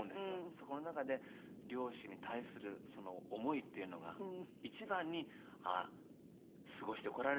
そこの中で両親に対する思いっていうのが一番に過ごしてこられたんだなって。